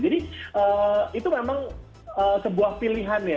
jadi itu memang sebuah pilihan ya